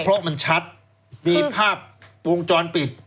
เพราะมันชัดมีภาพวงจรปิด